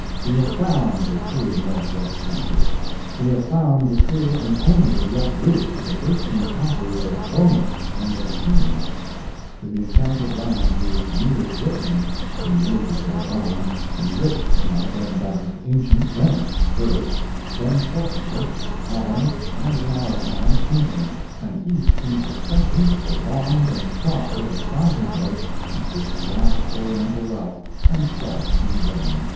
We have found the true Northwest Passage—we have found the true and only direct route to the bursting coffers of "Ormus and of Ind"—to the enchanted land whose mere drippings, in the ages that are gone, enriched and aggrandized ancient Venice, first, then Portugal, Holland, and in our own time, England—and each in succession they longed and sought for the fountainhead of this vast Oriental wealth, and sought in vain.